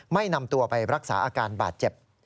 ไม่นำตัวไปรักษาอาการบาดเจ็บ